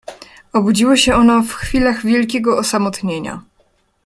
Obudziło się ono w chwilach wielkiego osamotnienia.